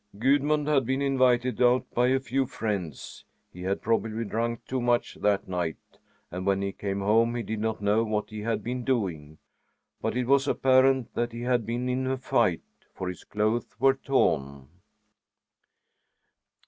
"Gudmund had been invited out by a few friends. He had probably drunk too much that night, and when he came home he did not know what he had been doing. But it was apparent that he had been in a fight, for his clothes were torn."